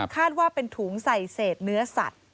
ว่าเป็นถุงใส่เศษเนื้อสัตว์